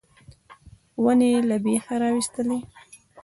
ونې یې له بېخه راویستلې.